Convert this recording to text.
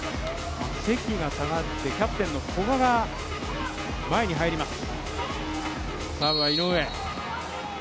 関が下がってキャプテンの古賀が前に入ります。